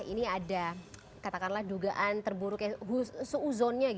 ini ada katakanlah dugaan terburuk seuzonnya gitu